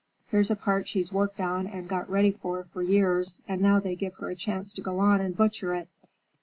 Here's a part she's worked on and got ready for for years, and now they give her a chance to go on and butcher it.